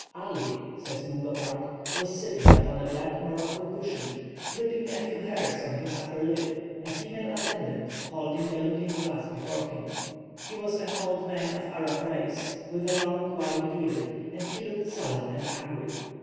"Ali," says Mungo Park, "was sitting upon a black morocco cushion, clipping a few hairs on his upper lip a female attendant holding a looking glass before him. He was an old man of Arab race, with a long white beard, and he looked sullen and angry.